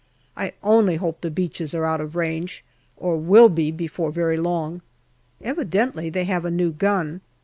I only hope the beaches are out of range, or will be before very long. Evidently they have a new gun.